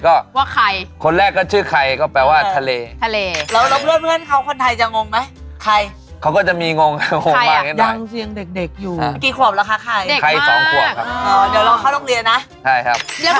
เหมือนต่อขึ้นไปเพื่อต้องเรียกคาเน